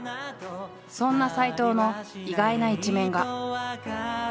そんな斎藤の意外な一面が。